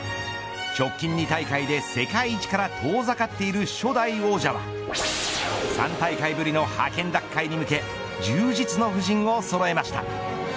直近２大会で世界一から遠ざかっている初代王者は３大会ぶりの覇権奪回へ向け充実の布陣をそろえました。